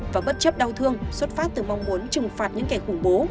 và bất chấp đau thương xuất phát từ mong muốn trừng phạt những kẻ khủng bố